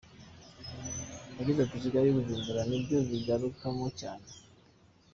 Yagize ati “Kigali - Bujumbura, ni byo bigarukamo cyane.